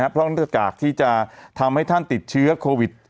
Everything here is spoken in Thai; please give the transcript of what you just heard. เพราะเนื่องจากที่จะทำให้ท่านติดเชื้อโควิด